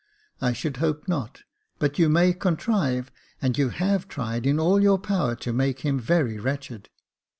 *'I should hope not: but you may contrive, and you have tried all in your power, to make him very wretched."